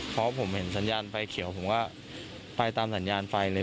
เพราะผมเห็นสัญญาณไฟเขียวผมก็ไปตามสัญญาณไฟเลย